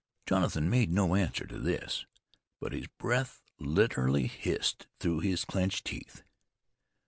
Jonathan made no answer to this; but his breath literally hissed through his clenched teeth.